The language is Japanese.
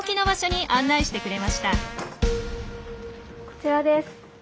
こちらです。